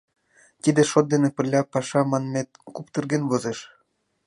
Тиде шот дене пырля паша манмет куптырген возеш.